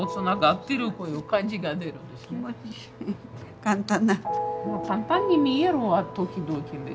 簡単に見えるは時々ですね。